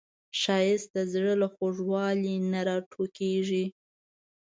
ښایست د زړه له خوږوالي نه راټوکېږي